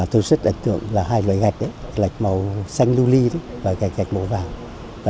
tôi rất ấn tượng là hai loại gạch màu xanh lưu ly và gạch màu vàng